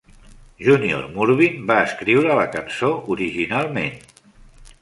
Junior Murvin va escriure la cançó originalment.